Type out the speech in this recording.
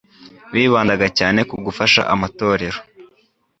bibandaga cyane ku gufasha amatorero